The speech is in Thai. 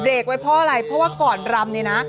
ไว้เพราะอะไรเพราะว่าก่อนรำเนี่ยนะ